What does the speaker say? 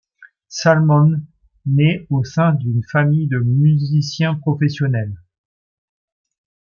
Salmond naît au sein d'une famille de musiciens professionnels.